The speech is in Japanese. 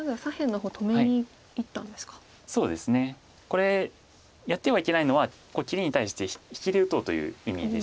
これやってはいけないのは切りに対して引きで打とうという意味でして。